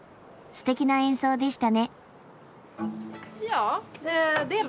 ステキな演奏でしたね。